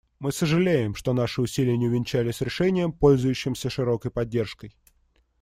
Мы сожалеем, что наши усилия не увенчались решением, пользующимся широкой поддержкой.